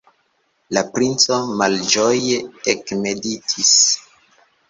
La princo malĝoje ekmeditis.